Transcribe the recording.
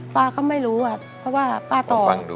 ป้าก็ไม่รู้อะเพราะว่าป้าต่อเอาฟังดู